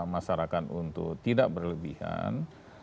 masyarakat untuk tidak berlebihan